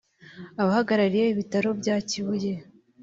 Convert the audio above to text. abahagarariye Ibitaro bya Kibuye